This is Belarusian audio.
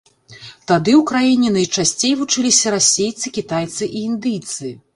Тады ў краіне найчасцей вучыліся расейцы, кітайцы і індыйцы.